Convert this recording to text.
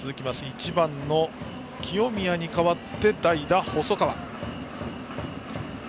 １番の清宮に代わって代打、細川。